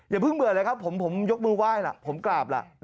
อย่าเพิ่งเบื่อเลยครับผมยกมือไหว้ล่ะผมกราบล่ะ